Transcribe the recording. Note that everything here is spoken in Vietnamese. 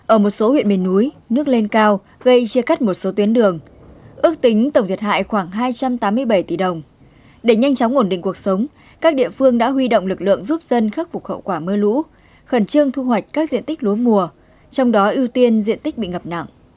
ở một số huyện miền núi nước lên cao gây chia cắt một số tuyến đường ước tính tổng thiệt hại khoảng hai trăm tám mươi bảy tỷ đồng để nhanh chóng ổn định cuộc sống các địa phương đã huy động lực lượng giúp dân khắc phục hậu quả mưa lũ khẩn trương thu hoạch các diện tích lúa mùa trong đó ưu tiên diện tích bị ngập nặng